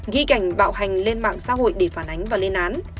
ghi cảnh bạo hành lên mạng xã hội để phản ánh và lên án